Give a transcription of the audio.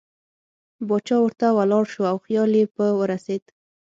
باچا ورته ولاړ شو او خیال یې په ورسېد.